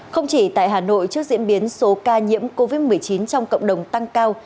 không chỉ tại hà nội trước diễn biến số ca nhiễm covid một mươi chín trong cộng đồng tăng cao